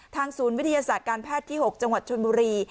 ศูนย์วิทยาศาสตร์การแพทย์ที่๖จังหวัดชนบุรี